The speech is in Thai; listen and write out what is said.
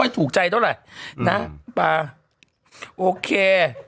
ไม่ค่อยถูกใจเท่าไหร่นะป่าโอเค